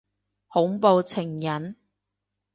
恐怖情人？